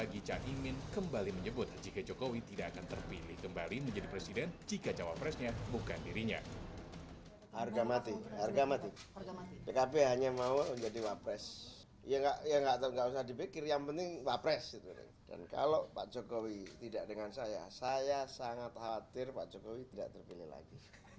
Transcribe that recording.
dan kalau pak jokowi tidak dengan saya saya sangat khawatir pak jokowi tidak terpilih lagi